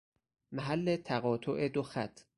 محل تقاطع دو خط